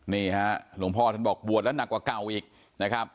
นี่ฮะหลวงพ่อท่านบอกบวชแล้วหนักกว่าเก่าอีกนะครับ